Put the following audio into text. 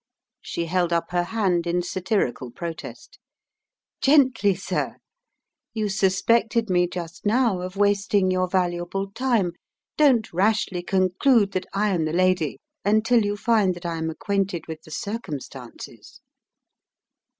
She held up her hand in satirical protest. "Gently, sir! You suspected me just now of wasting your valuable time. Don't rashly conclude that I am the lady until you find that I am acquainted with the circumstances."